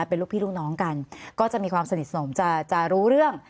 เป็นลูกพี่ลูกน้องกันก็จะมีความสนิทสนมจะรู้เรื่อง